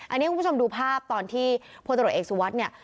อันนี้คุณผู้ชมดูภาพตอนที่พลตรวจเอกสุวัสดิ์เนี่ย